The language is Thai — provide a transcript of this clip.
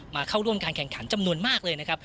เข้าร่วมการแข่งขันจำนวนมากเลยนะครับ